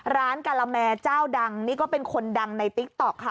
การาแมเจ้าดังนี่ก็เป็นคนดังในติ๊กต๊อกค่ะ